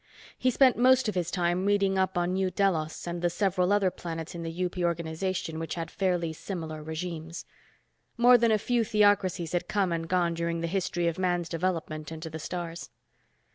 He spent most of his time reading up on New Delos and the several other planets in the UP organization which had fairly similar regimes. More than a few theocracies had come and gone during the history of man's development into the stars.